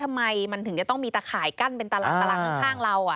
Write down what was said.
ทำไมมันถึงจะต้องมีตะข่ายกั้นเป็นตลาดข้างเรา